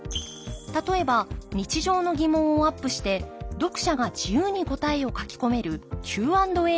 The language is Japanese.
例えば日常の疑問をアップして読者が自由に答えを書き込めるＱ＆Ａ方式のもの。